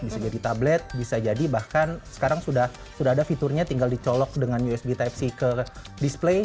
bisa jadi tablet bisa jadi bahkan sekarang sudah ada fiturnya tinggal dicolok dengan usb tipe c ke display